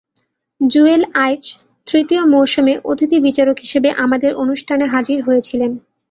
জুয়েল আইচ তৃতীয় মৌসুমে অতিথি বিচারক হিসেবে আমাদের অনুষ্ঠানে হাজির হয়েছিলেন।